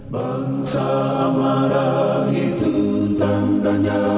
bangsa marah itu tandanya